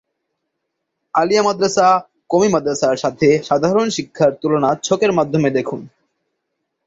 আলিয়া মাদ্রাসা, কওমি মাদ্রাসার সাথে সাধারণ শিক্ষার তুলনা ছকের মাধ্যমে দেখুন।